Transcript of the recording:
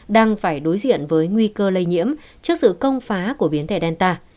đang phải đối diện với nguy cơ lây nhiễm trước sự công phá của biến thể delta